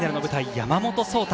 山本草太。